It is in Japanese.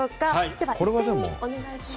では、一斉にお願いします。